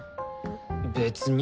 別に。